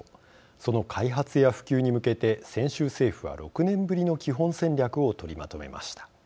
その開発や普及に向けて先週、政府は６年ぶりの基本戦略を取りまとめました。